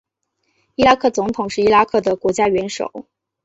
伊拉克总统是伊拉克的国家元首。